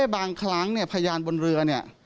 บางครั้งเนี่ยพยานบนเรือเนี่ย